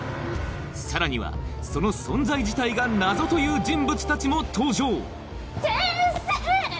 さらにはその存在自体が謎という人物たちも登場先生！